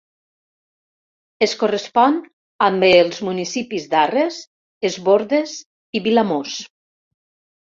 Es correspon amb els municipis d'Arres, Es Bòrdes i Vilamòs.